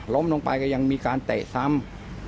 ลงไปก็ยังมีการเตะซ้ำ